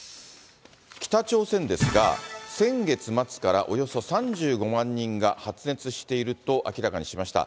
北朝鮮ですが、先月末からおよそ３５万人が発熱していると明らかにしました。